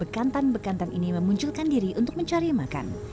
bekantan bekantan ini memunculkan diri untuk mencari makan